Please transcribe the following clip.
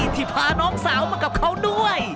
ที่พาน้องสาวมากับเขาด้วย